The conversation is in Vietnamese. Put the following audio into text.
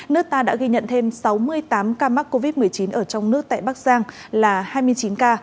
nước ta đã ghi nhận thêm sáu mươi tám ca mắc covid một mươi chín ở trong nước tại bắc giang là hai mươi chín ca